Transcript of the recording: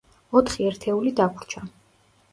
ოთხი ერთეული დაგვრჩა.